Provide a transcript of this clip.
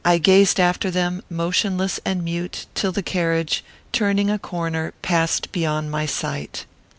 I gazed after them, motionless and mute, till the carriage, turning a corner, passed beyond my sight.